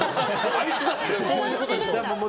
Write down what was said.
あいつだって。